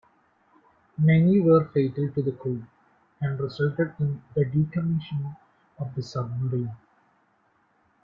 Many were fatal to the crew, and resulted in the decommissioning of the submarine.